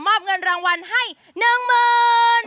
มอบเงินรางวัลให้๑๐๐๐บาท